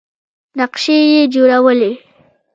نقشې یې جوړولې.